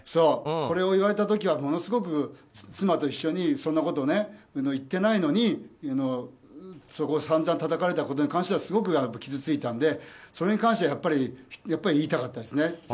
これを言われた時はものすごく妻と一緒にそんなことを言ってないのに散々たたかれたことに関してはすごく傷ついたんでそれに関してはやっぱり言いたかったですね。